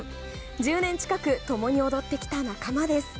１０年近く共に踊ってきた仲間です。